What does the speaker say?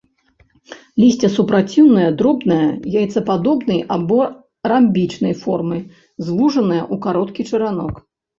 Лісце супраціўнае, дробнае, яйцападобнай або рамбічнай формы, звужанае ў кароткі чаранок.